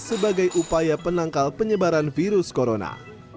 sebagai upaya penangkal penyebaran virus corona